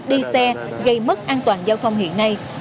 đi xe gây mất an toàn giao thông hiện nay